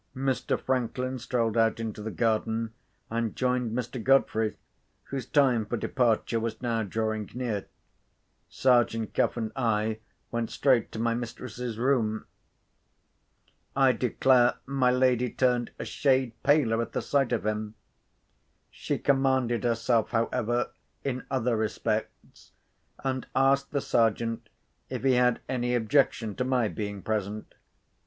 Mr. Franklin strolled out into the garden, and joined Mr. Godfrey, whose time for departure was now drawing near. Sergeant Cuff and I went straight to my mistress's room. I declare my lady turned a shade paler at the sight of him! She commanded herself, however, in other respects, and asked the Sergeant if he had any objection to my being present.